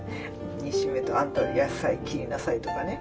煮しめとか「あんた野菜切りなさい」とかね